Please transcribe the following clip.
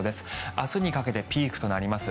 明日にかけてピークとなります。